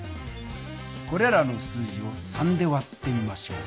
これらの数字を３で割ってみましょう。